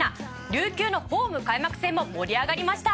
琉球のホーム開幕戦も盛り上がりました。